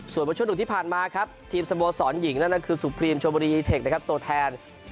ส่วนมาช่วงหนึ่งที่ผ่านมาครับทีมสโมสรหญิงนั่นก็คือสุพรีมชมบุรีอีเทคนะครับตัวแทน